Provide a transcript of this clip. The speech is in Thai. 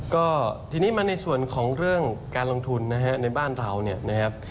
ก็ทีนี้มาในส่วนของเรื่องการลงทุนนะฮะในบ้านเราเนี่ยนะครับ